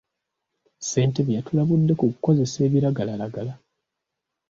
Ssentebe yatulabudde ku kukozesa ebiragalalagala.